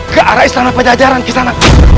ke arah istana pajajaran ke sana